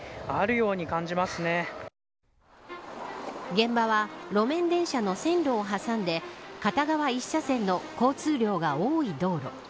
現場は路面電車の線路を挟んで片側１車線の交通量が多い道路。